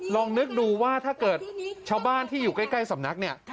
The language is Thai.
ลองนึกดูว่าถ้าเกิดชาวบ้านที่อยู่ใกล้สำนักเนี่ย